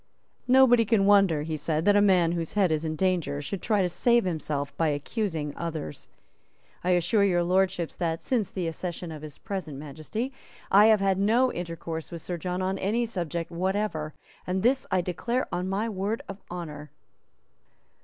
"Nobody can wonder," he said, "that a man whose head is in danger should try to save himself by accusing others. I assure Your Lordships that, since the accession of his present Majesty, I have had no intercourse with Sir John on any subject whatever; and this I declare on my word of honour."